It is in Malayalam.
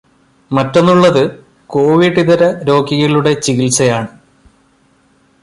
മറ്റൊന്നുള്ളത്, കോവിഡ് ഇതര രോഗികളുടെ ചികിത്സയാണ്.